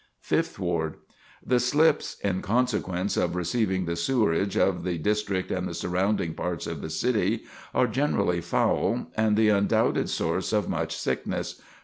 Fifth Ward: The slips, in consequence of receiving the sewerage of the district and surrounding parts of the city, are generally foul and the undoubted source of much sickness.